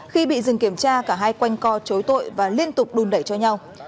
khi bị dừng kiểm tra cả hai quanh co chối tội và liên tục đùn đẩy cho nhau